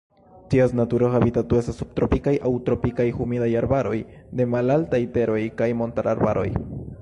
Ties natura habitato estas subtropikaj aŭ tropikaj humidaj arbaroj de malaltaj teroj kaj montararbaroj.